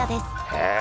へえ